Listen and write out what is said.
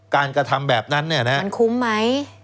กระทำแบบนั้นมันคุ้มไหม